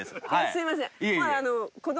すいません。